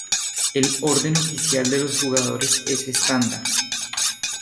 El orden oficial de los jugadores es estándar.